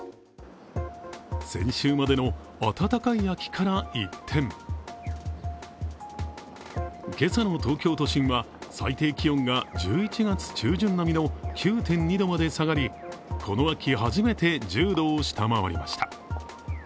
先週までの暖かい秋から一転、今朝の東京都心は最低気温が１１月中旬並みの９．２度まで下がり、この秋初めて１０度を下回りました。